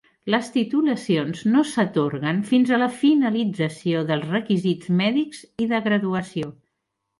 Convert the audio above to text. Les titulacions no s'atorguen fins a la finalització dels requisits mèdics i de graduació.